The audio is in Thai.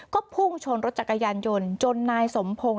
ก็พุ่งชนรถจักรยานยนต์จนนายสมพงศ์